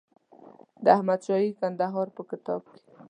د احمدشاهي کندهار په کتاب کې.